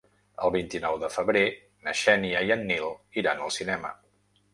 El vint-i-nou de febrer na Xènia i en Nil iran al cinema.